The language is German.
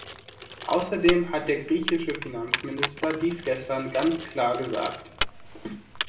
Außerdem hat der griechische Finanzminister dies gestern ganz klar gesagt.